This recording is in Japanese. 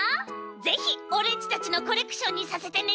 ぜひオレっちたちのコレクションにさせてね。